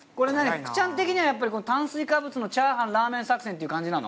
福ちゃん的には炭水化物のチャーハンラーメン作戦っていう感じなの？